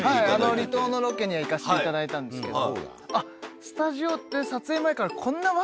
あの離島のロケには行かせていただいたんですけど。